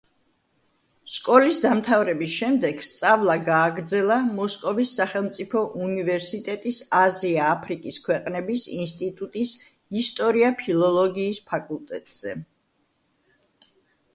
სკოლის დამთავრების შემდეგ სწავლა გააგრძელა მოსკოვის სახელმწიფო უნივერსიტეტის აზია-აფრიკის ქვეყნების ინსტიტუტის ისტორია-ფილოლოგიის ფაკულტეტზე.